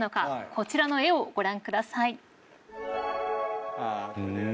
こちらの絵をご覧ください。